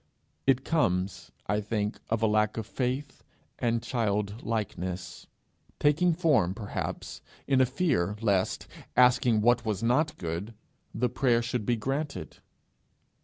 It comes, I think, of a lack of faith and childlikeness taking form, perhaps, in a fear lest, asking for what was not good, the prayer should be granted.